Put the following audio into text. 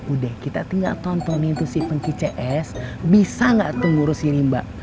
udah kita tinggal tontonin si funky cs bisa gak tuh ngurus ini mbak